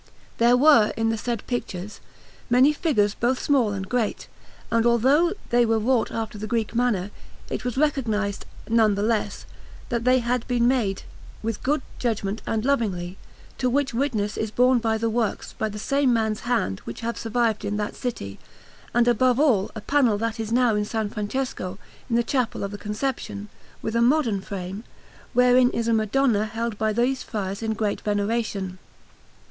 There were, in the said pictures, many figures both small and great, and although they were wrought after the Greek manner, it was recognized, none the less, that they had been made with good judgment and lovingly; to which witness is borne by works by the same man's hand which have survived in that city, and above all a panel that is now in S. Francesco, in the Chapel of the Conception, with a modern frame, wherein is a Madonna held by these friars in great veneration.